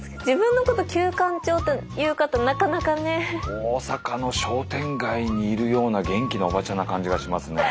大阪の商店街にいるような元気なおばちゃんな感じがしますね。